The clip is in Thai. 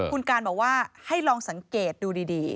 คุณการบอกว่าให้ลองสังเกตดูดี